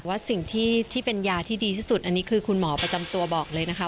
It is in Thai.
ว่าสิ่งที่เป็นยาที่ดีที่สุดอันนี้คือคุณหมอประจำตัวบอกเลยนะคะ